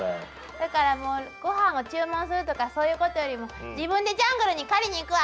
だからもうごはんを注文するとかそういうことよりも自分でジャングルに狩りに行くわ！